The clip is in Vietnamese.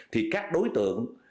thì các đối tượng